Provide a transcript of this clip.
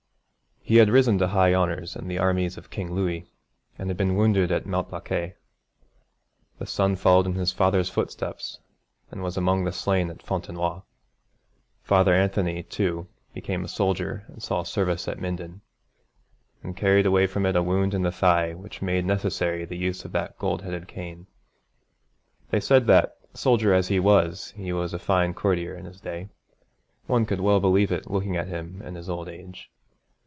He had risen to high honours in the armies of King Louis, and had been wounded at Malplaquet. The son followed in his father's footsteps and was among the slain at Fontenoy. Father Anthony, too, became a soldier and saw service at Minden, and carried away from it a wound in the thigh which made necessary the use of that gold headed cane. They said that, soldier as he was, he was a fine courtier in his day. One could well believe it looking at him in his old age.